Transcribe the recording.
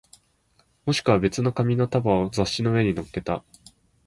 もしくは別の紙の束を雑誌の上に乗っけた